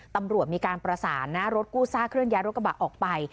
ตำรวจมีการประสานนะรถกู้ซากเครื่องย้ายรถกระบะออกไป